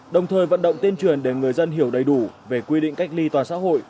đồng thời vận động tuyên truyền để người dân hiểu đầy đủ về quy định cách ly toàn xã hội